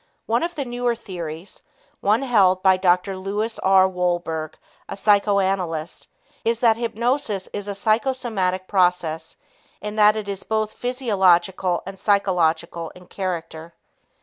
One of the newer theories one held by Dr. Lewis R. Wolberg, a psychoanalyst is that hypnosis is a psychosomatic process in that it is both physiological and psychological in character.